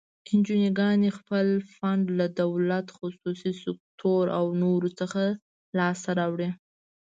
انجوګانې خپل فنډ له دولت، خصوصي سکتور او نورو څخه لاس ته راوړي.